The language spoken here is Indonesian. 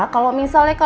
kalau misalnya kalian mau